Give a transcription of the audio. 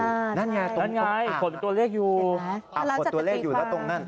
อ่านั่นไงตรงนั่นไงขดเป็นตัวเลขอยู่เห็นไหมอ่าขดตัวเลขอยู่แล้วตรงนั้น